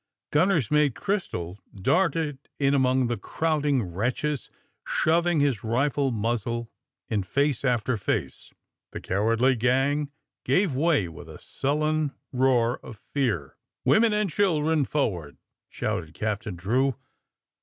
Gnnner's Mate Crystal darted in among the crowding wretches, shoving his rifle mnzzle in face after face. The cowardly gang gave way with a sullen roar of fear. *' Women and children forward!" shouted Captain Drew.